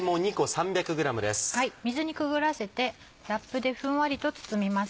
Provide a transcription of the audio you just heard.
水にくぐらせてラップでふんわりと包みます。